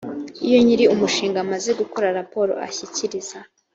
iyo nyir umushinga amaze gukora raporo ashyikiriza